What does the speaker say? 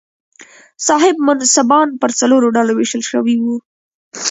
صاحب منصبان پر څلورو ډلو وېشل شوي وو.